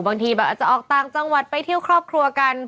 บางทีแบบอาจจะออกต่างจังหวัดไปเที่ยวครอบครัวกัน